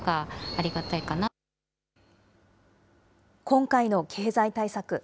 今回の経済対策。